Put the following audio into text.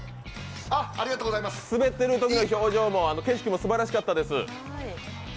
滑ってるときの表情もすばらしかったです。